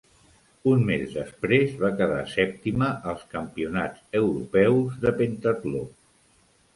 Un mes després va quedar sèptima als campionats europeus de pentatló.